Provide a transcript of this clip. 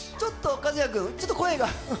和也君、ちょっと声が。